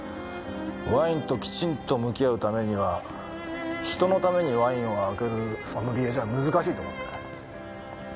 ワインときちんと向き合うためには人のためにワインを開けるソムリエじゃ難しいと思ってね。